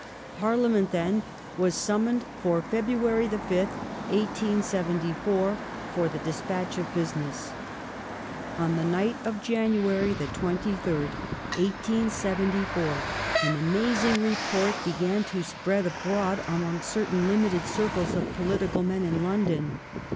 Parlia ment, then, was summoned for February the fifth, 1874, for the despatch of business. On the night of January the twenty third, 1874, an amazing re port began to spread abroad among certain limited circles of political men in London.